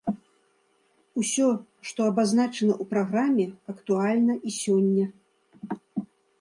Усё, што абазначана ў праграме, актуальна і сёння!